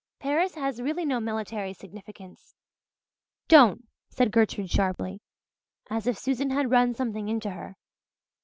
Paris has really no military significance." "Don't," said Gertrude sharply, as if Susan had run something into her.